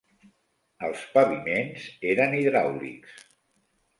Els paviments eren hidràulics.